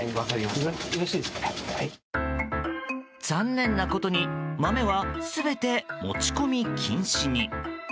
残念なことに豆は全て持ち込み禁止に。